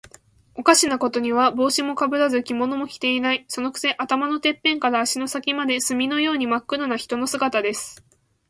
おかしなことには、帽子もかぶらず、着物も着ていない。そのくせ、頭のてっぺんから足の先まで、墨のようにまっ黒な人の姿です。